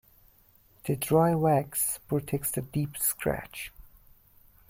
The dry wax protects the deep scratch.